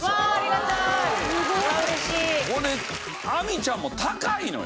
亜美ちゃんも高いのよ。